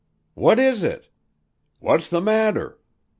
"What is it?" "What's the matter?"